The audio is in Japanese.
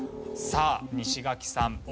さあ西垣さん